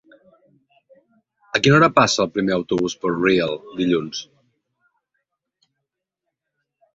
A quina hora passa el primer autobús per Real dilluns?